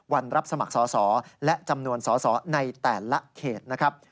รับสมัครสอสอและจำนวนสอสอในแต่ละเขตนะครับ